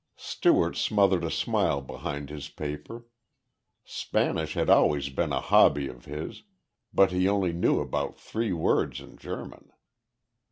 Stewart smothered a smile behind his paper. Spanish had always been a hobby of his but he only knew about three words in German!